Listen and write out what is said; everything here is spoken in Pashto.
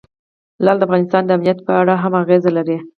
لعل د افغانستان د امنیت په اړه هم اغېز لري.